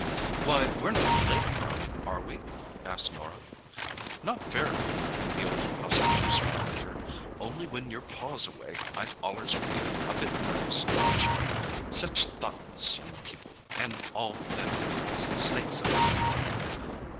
"Why, we're not late, Brownie, are we?" asked Norah. "Not very." The old housekeeper smiled at her. "Only when your Pa's away I allers feels a bit nervis about you—sech thoughtless young people, an' all them animals and snakes about!"